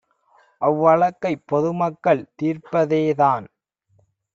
அவ்வழக்கைப் பொதுமக்கள் தீர்ப்ப தேதான்